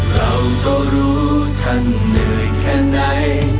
เราก็รู้ท่านเหนื่อยแค่ไหน